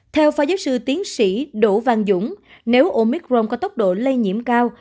theo phó giáo sư tiến sĩ đỗ văn dũng nếu omicron có tốc độ lây nhiễm cao